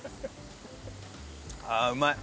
ああうまい！